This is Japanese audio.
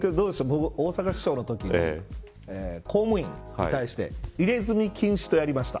僕は大阪市長のときに公務員に対して入れ墨禁止とやりました。